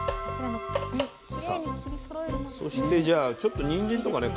そしてじゃあちょっとにんじんとかね